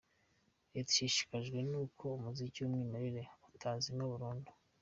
Leta ishishikajwe n’uko umuziki w’umwimerere utazimira burundu.